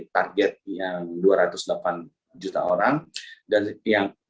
target yang dua ratus delapan juta orang dan yang